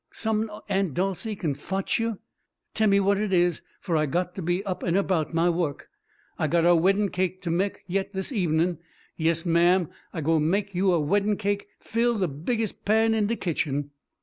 Som'n Aun' Dolcey c'n fotch you? Temme what it is, f'r I got to be up an' erbout my wuk. I got er weddin' cake to mek yit this ebenin'. Yes, ma'am I gwi' mek you weddin' cake fill de bigges' pan in de kitchen."